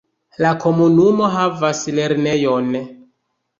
La komunumo havas lernejon.